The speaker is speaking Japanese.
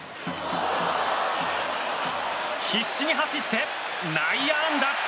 必死に走って内野安打。